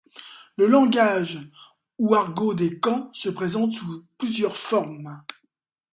Le langage ou argot des camps se présente sous plusieurs formes.